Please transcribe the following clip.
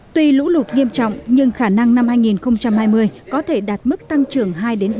tuy lũ lụt nghiêm trọng nhưng khả năng năm hai nghìn hai mươi có thể đạt mức tăng trưởng hai ba